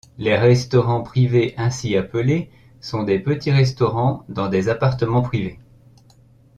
Les restaurants privés ainsi appelés, sont des petits restaurants dans des appartements privés.